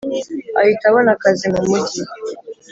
ahita abona akazi mu mujyi